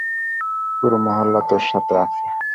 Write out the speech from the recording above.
পুরো মহল্লা তোর সাথে আছে।